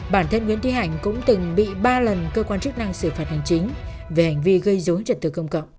bản thân nguyễn thúy hạnh cũng từng bị ba lần cơ quan chức năng xử phạt hành chính về hành vi gây dối trật tự công cộng